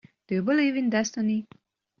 Do you believe in destiny?